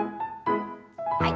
はい。